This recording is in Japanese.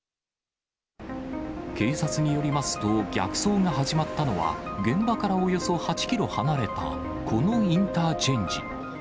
警察によりますと、逆走が始まったのは、現場からおよそ８キロ離れたこのインターチェンジ。